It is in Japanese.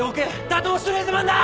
打倒シュトレーゼマンだ！